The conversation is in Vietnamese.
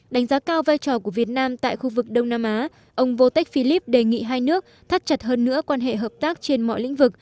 đánh giá cao vai trò của việt nam tại khu vực đông nam á ông vôtech philip đề nghị hai nước thắt chặt hơn nữa quan hệ hợp tác trên mọi lĩnh vực